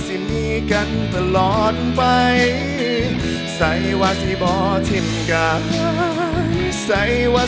สิบสี่ห้างหรือเศร้าสี่ห้างสี่จับมือกันอย่างว่าสันวา